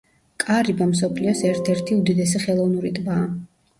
კარიბა მსოფლიოს ერთ-ერთი უდიდესი ხელოვნური ტბაა.